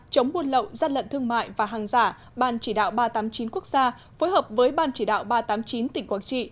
chống buôn lậu gian lận thương mại và hàng giả ban chỉ đạo ba trăm tám mươi chín quốc gia phối hợp với ban chỉ đạo ba trăm tám mươi chín tỉnh quảng trị